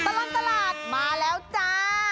ตลอดตลาดมาแล้วจ้า